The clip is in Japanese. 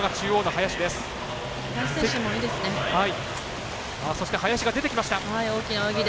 林が出てきました。